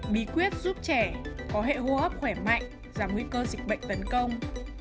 bí quyết giúp trẻ có hệ hô hấp khỏe mạnh giảm nguy cơ dịch bệnh tấn công